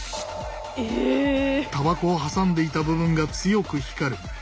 たばこを挟んでいた部分が強く光る。